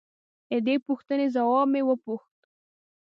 د دې پوښتنې ځواب مې وپوښت.